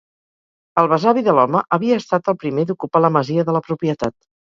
El besavi de l'home havia estat el primer d'ocupar la masia de la propietat.